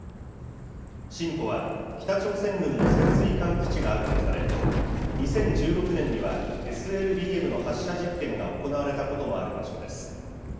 シンポは、北朝鮮軍の潜水艦基地があるとされ、２０１６年にはＳＬＢＭの発射実験が行われたこともある場所です。